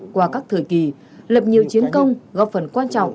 qua các thời kỳ lập nhiều chiến công góp phần quan trọng